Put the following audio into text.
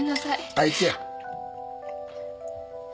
あいつや。